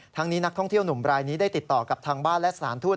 นี้นักท่องเที่ยวหนุ่มรายนี้ได้ติดต่อกับทางบ้านและสถานทูต